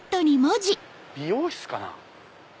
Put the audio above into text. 美容室かな？